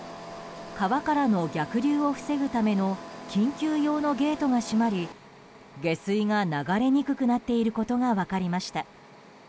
川からの逆流を防ぐための緊急用のゲートが閉まり、下水が流れにくくなっていることが分かりました。